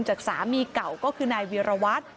จัดสามีเก่าก็คือนายวีรวัตน์